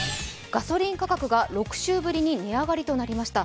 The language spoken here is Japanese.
ガソリン価格が６週ぶりに値上がりとなりました。